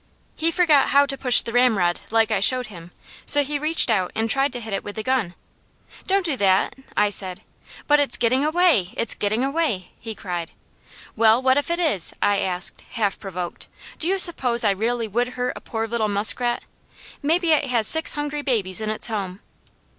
He forgot how to push the ramrod like I showed him, so he reached out and tried to hit it with the gun. "Don't do that!" I said. "But it's getting away! It's getting away!" he cried. "Well, what if it is?" I asked, half provoked. "Do you suppose I really would hurt a poor little muskrat? Maybe it has six hungry babies in its home."